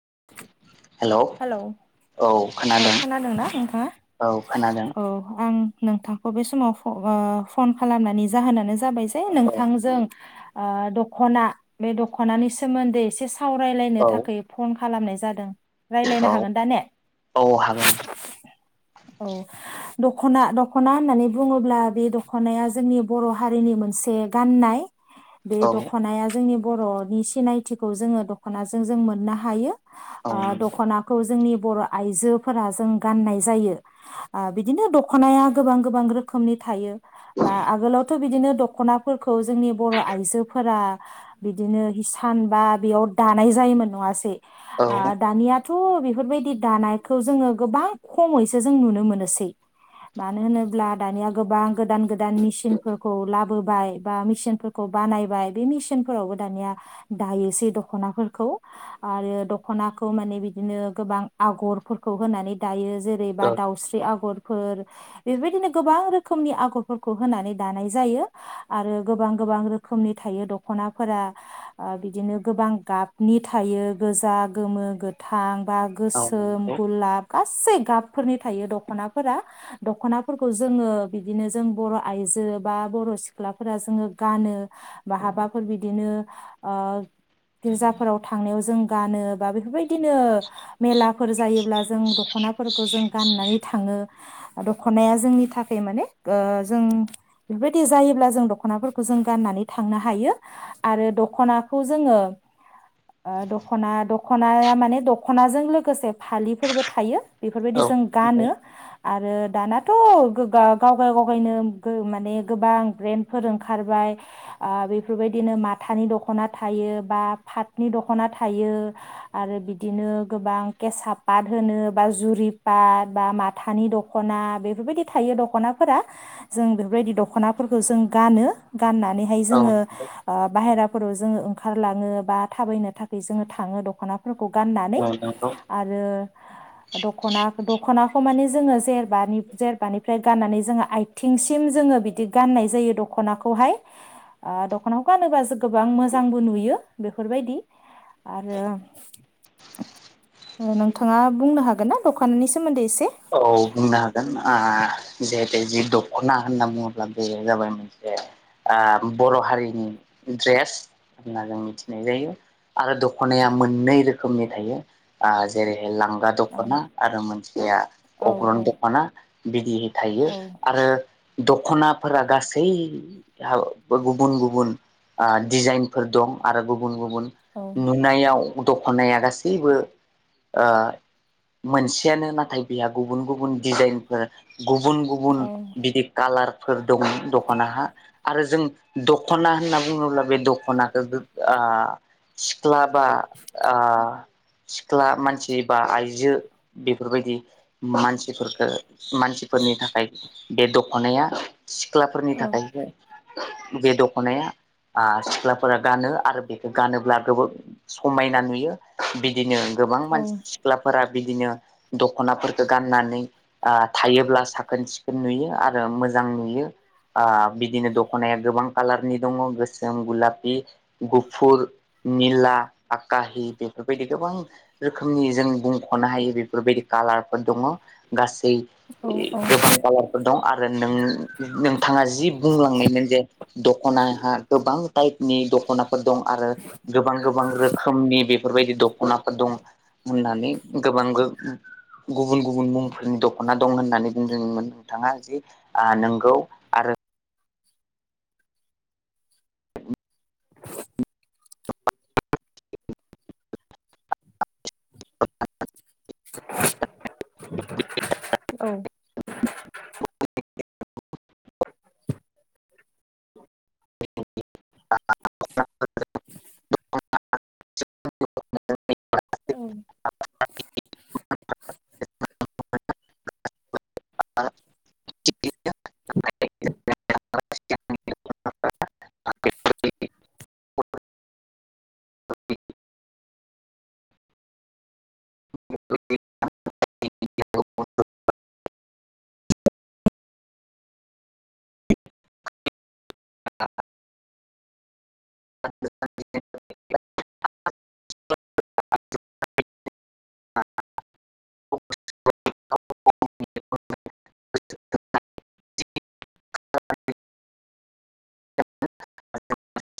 [inaudible] hello औ औ खोनादों खोनादोंना नोंथाङा औ खोनादों औ आं नोंथांखौ बे समाव फ ओ फन खालामनायनि जाहोनानो जाबाय दे औ नोंथांजों आ दख'ना बे दख'नानि सोमोन्दै एसेस सावरायलायनो औ थाखोय फन खालामनाय जादों औ रायलायनो हागोन दा ने औ हागोन औ दख'ना दख'ना होननानै बुङोब्ला बे दख'नाया जोंनि बर' हारिनि मोनसे गाननाय बे औ दख'नाया जोंनि बर'नि सिनायथिखौ जोङो दख'नाजों जों मोननो हायो औ आ नंगौ दख'नाखौ जोंनि बर' आइजोफोरा जों गाननाय जायो आ बिदिनो दख'नाया गोबां गोबां रोखोमनि थायो बा आगोलावथ' बिदिनो दख'नाफोरखौ जोंनि बर' आइजोफोरा बिदिनो हिसान बा बेयाव दानाय जायोमोन नङासै औ आ दानिया थ बेफोरबायदि दानायखौ जोङो गोबां खमैस सो जों नुनो मोनोसै मानो होनोब्ला दानिया गोबां गोदान गोदान मेसिनफोरखौ लाबोबाय बा मिचिनफोरखौ बानायबाय बे मिचिनफोरावबो दानिया दायोसै दख'नाफोरखौ आरो दख'नाखौ माने बिदिनो गोबां आगरफोरखौ होनानै दायो जे बा औ दाउस्रि आगरफोर बेबायदिनो गोबां रोखोमनि आगरफोरखौ होनानै दानाय जायो आरो गोबां गोबां रोखोमनि थायो दख'नाफोरा ओ बिदिनो गोबां गाबनि थायो गोजा गोमो गोथां बा औ गोसोम नंगौ औ गुलाब गासै गाब फोरनि थायो दख'नाफोरा दख'नाफोरखौ जोङो बिदिनो जों बर' आइजो बा बर' सिख्लाफोरा जोङो गानो बा हाबाफोर बिदिनो ओ गिर्जाफोराव थांनायाव जों गानो बा बेफोरबायदिनो मेलाफोर जायोब्ला जों दख'नाफोर खो जों गाननानै थाङो दख'नाया जोंनि थाखाय माने ओ जों बेफोरबायदि जायोब्ला जों दख'नाफोरखौ जों गाननानै थांनो हायो आरो दख'नाखौ जोङो ओ दख'ना दख'नाया माने दख'नाजों लोगोसे फालिफोरबो थायो बेफोरबायदि औ जों नंगौ गानो आरो दानाथ' गोगा गावगाव गावगायनो गो माने गोबां ब्रेन्डफोर ओंखारबाय ओरो इफोरबायदिनो माथानि दख'ना थायो बा फाथनि दख'ना थायो आरो बिदिनो गोबां केसा पात होनो बा जुरिपा बा माथानि दख'ना बेफोरबायदि थायो दख'नाफोरा जों बेफोरबायदि दख'नाफोरखौ जों गानो गाननानैहाय जोङो ओ बाहेरा फोराव जोङो ओंखारलाङो बा थाबायनो थाखोय जोङो थाङो दख'नाफोर खौ गाननानै औ नंगौ आरो ख'ना दख'नाखौ माने जोङो जेरबानि जेरबानिफ्राय गाननानै जोङो आइथिंसिम जोङो बिदि गाननाय जायो दख'नाखौहाय ओ दख'नाखौ गानोबासो गोबां मोजांबो नुयो बेफोरबायदि आरो नोंथाङा बुंनो हा गोन ना दखाननि सोमोन्दै एसे औ बुंनो हागोन आ जिहेथै जि दख'ना होनना बुङोब्ला बेयो जाबाय मोनसे ओ बर' हारिनि द्रेस होनना जों मिथिनाय जायो आरो दख'नाया मोननै रोखोमनि थायो ओ जेरैहाय लां बा औ दख'ना आरो मोनस इया औ अग्रन दख'ना बिदियै थायो औ आरो दख'नाफोरा गासै हाव गुबुन गुबुन आ दिजाइनफोर दं आरो गुबुन गु बुन औ नुनायाव दख'नाया गासैबो ओ मोनसेयानो नाथाय बेहा गुबुन गुबुन दिजाइनफोर गुबुन गुबुन औ बिदि कालार फोर दंमोन दख'नाहा आरो जों दख'ना होनना बुङोब्ला बे दख खनाखौ ओ सिख्ला बा ओ सिख्ला मानसि बा आइजो बेफोरबायदि मानसिफोरफोरखौ मानसिफोरनि थाखाय बे दख'नाया सिख्लाफोरनि थाखायसो बे दख'नाया ओ सिख्लाफोरा गानो आरो बेखौ गानोब्ला गोबां समायना नुयो बि बिदिनो गोबां औ मानसि सिख्लाफोरा बिदिनो दख'ना गाननानै ओ थायोब्ला साखोन सिखोन नुयो आरो मोजां नुयो ओ बिदिनो दख'नाया गोबां कालारनि दङ गोसोम गुलाफि गुफुर निला आकाहि बेफोरबायदि गोबां रोखोमनि जों बुंख'नो हायो बेफोरबायदि कालार दङ गासै औ गोबां कालारफोर दं आरो नों-नोंथाङा जि बुंलांनायमोन जे दख'नाहा गोबां पाइपनि दखना दं आरो गोबां गोबां रोखोमनि बे बेफोरबायदि दखनाफोर दङ' होननानै [unintelligible] गुबुन गुबुन मुंफोरनि दख'ना दं होननानै बुंदोंमोन नोंथाङा जि ओ नोंगौ आरो [unintelligible] औ [inaudible] [inaudible] [unintelligible] औ आरो [unintelligible] [unintelligible] [unintelligible] [unintelligible]